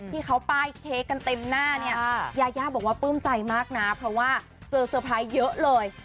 ที่เขาป้ายเค้กกันเต็มหน้าเนี่ยยายาบอกว่าปลื้มใจมากนะเพราะว่าเจอเซอร์ไพรส์เยอะเลย